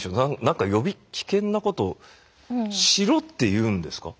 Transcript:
なんかより危険なことをしろって言うんですか？